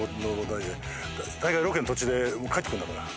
大概ロケの途中で帰って来るんだから。